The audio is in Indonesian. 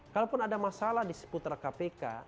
kalaupun ada masalah di seputar kpk